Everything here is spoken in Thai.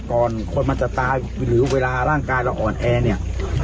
คนมันจะตายหรือเวลาร่างกายเราอ่อนแอเนี่ย